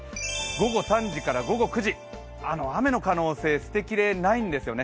午後３時から午後９時、雨の可能性捨てきれないんですよね。